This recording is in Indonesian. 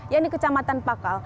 yang di kecamatan pakal